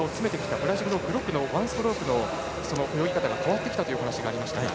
ブラジルのグロックのワンストロークの泳ぎ方が変わってきたという話がありましたが。